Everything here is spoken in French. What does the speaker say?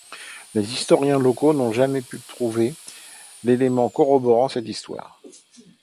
Les historiens locaux n'ont jamais pu trouver d'éléments corroborant cette histoire.